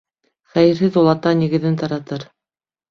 Хәйерһеҙ ул ата нигеҙен таратыр.